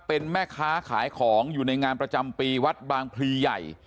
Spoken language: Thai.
เป็นแม่ค้าขายของอยู่ในงานประจำปีวัดบางพลีใหญ่